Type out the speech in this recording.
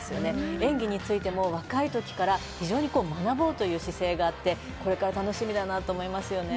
演技についても若いときから学ぼうという姿勢があって、これから楽しみだなと思います。